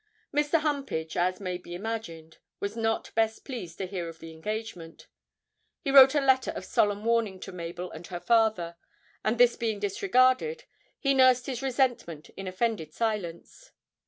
Mr. Humpage, as may be imagined, was not best pleased to hear of the engagement; he wrote a letter of solemn warning to Mabel and her father, and, this being disregarded, he nursed his resentment in offended silence.